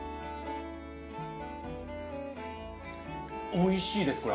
おいしいですこれ。